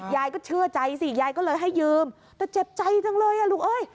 ยายก็เชื่อใจสิยายก็เลยให้ยืมแต่เจ็บใจจังเลยอ่ะลูกเอ้ย